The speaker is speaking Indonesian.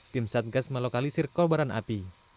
tim satgas melokalisir kobaran api